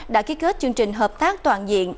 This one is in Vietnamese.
đã kết kết chương trình hợp tác toàn diện